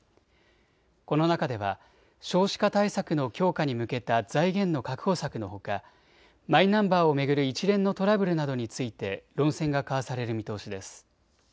この中では少子化対策の強化に向けた財源の確保策のほかマイナンバーを巡る一連のトラブルなどについて論戦が交わされる見通しです。